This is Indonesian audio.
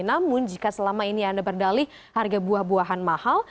namun jika selama ini anda berdalih harga buah buahan mahal